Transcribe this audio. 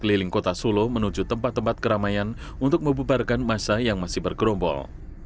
keliling kota solo menuju tempat tempat keramaian untuk membubarkan masa yang masih bergerombol